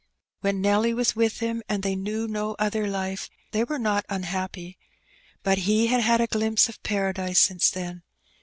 ;When Nelly was with him, and they knew no other life, they were not unhappy. But he had had a glimpse of Paradise since then.